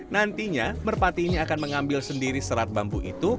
nantinya merpati ini akan mengambil sendiri serat bambu itu